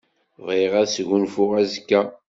Bɣiɣ ad sgunfuɣ azekka.